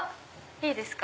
いいですか？